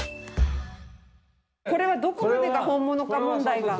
これはどこまでが本物か問題が。